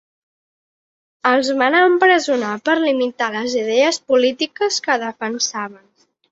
Els van empresonar per limitar les idees polítiques que defensaven.